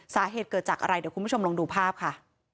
สาเหตุเกิดจากอะไรเดี๋ยวคุณผู้ชมลองดูภาพค่ะ